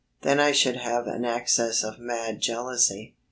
Then I should have an access of mad jealousy.